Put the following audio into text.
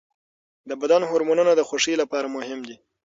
د بدن هورمونونه د خوښۍ لپاره مهم دي.